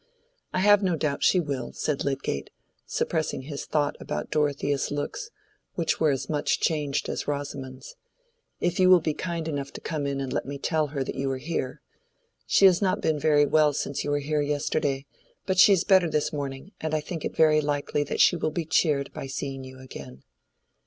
"I have no doubt she will," said Lydgate, suppressing his thought about Dorothea's looks, which were as much changed as Rosamond's, "if you will be kind enough to come in and let me tell her that you are here. She has not been very well since you were here yesterday, but she is better this morning, and I think it is very likely that she will be cheered by seeing you again."